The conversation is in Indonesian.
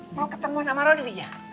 eh mau ketemu sama rona iya